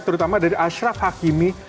terutama dari ashraf hakimi